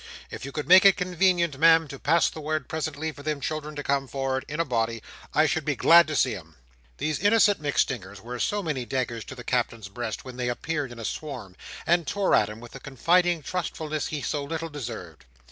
If you could make it convenient, Ma'am, to pass the word presently for them children to come for'ard, in a body, I should be glad to see 'em." These innocent MacStingers were so many daggers to the Captain's breast, when they appeared in a swarm, and tore at him with the confiding trustfulness he so little deserved.